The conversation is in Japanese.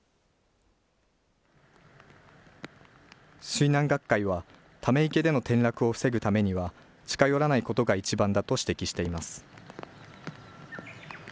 水難学会はため池での転落を防ぐためには近寄らないことが１番だと指摘しています。